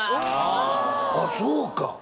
あっそうか。